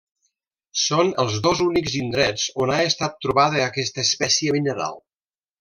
Són els dos únics indrets on ha estat trobada aquesta espècie mineral.